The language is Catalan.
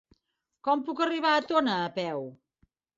Com puc arribar a Tona a peu?